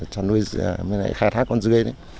cho nuôi khai thác con dươi